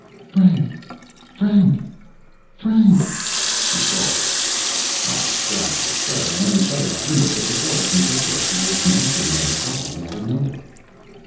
"Frank! Frank! Frank!" she calls. I strive to stir and unshutter that window, but before I can get there she is knocking and calling at another.